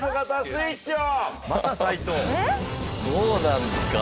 どうなんですか？